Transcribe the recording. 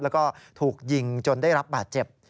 แล้วก็ถูกยิงจนได้รับบาดเจ็บ